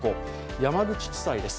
山口地裁です。